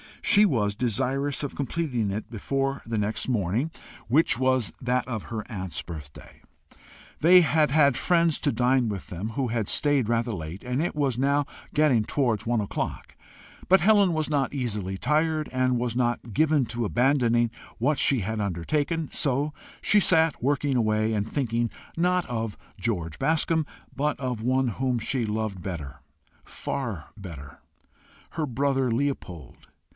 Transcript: She was desirous of completing it before the next morning, which was that of her aunt's birthday. They had had friends to dine with them who had stayed rather late, and it was now getting towards one o'clock. But Helen was not easily tired, and was not given to abandoning what she had undertaken; so she sat working away, and thinking, not of George Bascombe, but of one whom she loved better far better her brother Leopold.